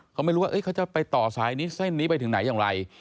เขาไม่รู้ว่าเขาจะไปต่อสายนี้เส้นนี้ไปถึงไหนอย่างไร